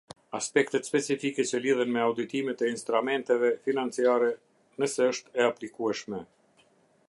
Aspektet specifike që lidhen me auditimet e instramenteve financiare, nësë është e aplikueshme.